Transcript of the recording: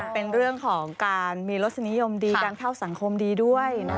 เป็นเรื่องของการมีรสนิยมดีการเข้าสังคมดีด้วย